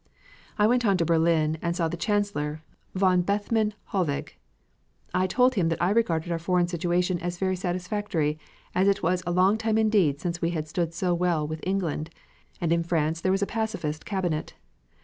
I went on to Berlin and saw the Chancellor, von Bethmann Hollweg. I told him that I regarded our foreign situation as very satisfactory as it was a long time indeed since we had stood so well with England. And in France there was a pacifist cabinet.